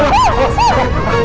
bukan bukan bukan bukan